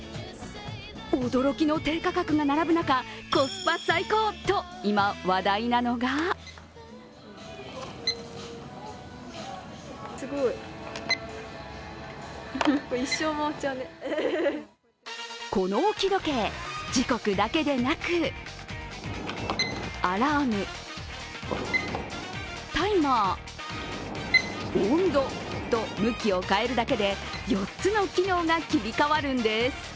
驚きの低価格が並ぶ中、コスパ最高と今、話題なのがこの置き時計、時刻だけでなく、アラーム、タイマー、温度と向きを変えるだけで４つの機能が切り替わるんです。